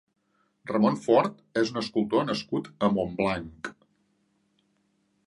Ramon Fort és un escultor nascut a Montblanc.